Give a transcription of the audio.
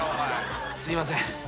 すいません。